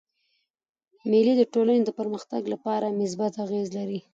مېلې د ټولني د پرمختګ له پاره مثبت اغېز لري.